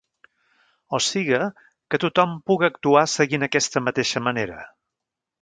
O siga, que tothom puga actuar seguint aquesta mateixa manera.